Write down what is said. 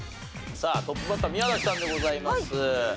さあトップバッター宮崎さんでございます。